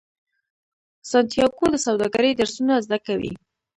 سانتیاګو د سوداګرۍ درسونه زده کوي.